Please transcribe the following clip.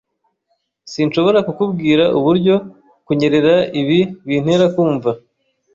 Sinshobora kukubwira uburyo kunyerera ibi bintera kumva.